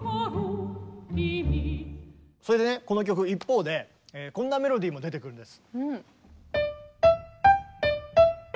それでねこの曲一方でこんなメロディーも出てくるんです。